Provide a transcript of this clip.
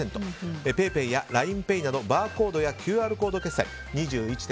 ＰａｙＰａｙやＬＩＮＥＰａｙなどバーコードやＱＲコード決済が２１．６％。